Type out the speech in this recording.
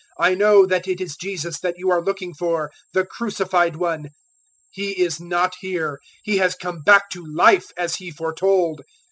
I know that it is Jesus that you are looking for the crucified One. 028:006 He is not here: He has come back to life, as He foretold.